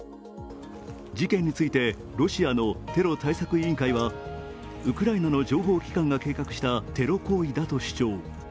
事件についてロシアのテロ対策委員会はウクライナの情報機関が計画したテロ行為だと主張。